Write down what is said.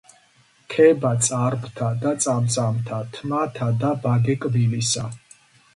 ქება წარბთა და წამწამთა, თმათა და ბაგე-კბილისა